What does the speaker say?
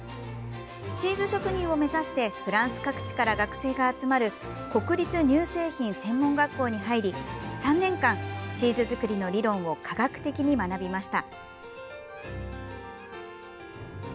チーズ職人を目指してフランス各地から学生が集まる国立乳製品専門学校に入り３年間、チーズ作りの理論を科学的に学びました。